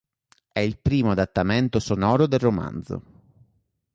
È il primo adattamento sonoro del romanzo.